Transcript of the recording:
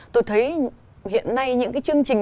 tôi thấy hiện nay những chương trình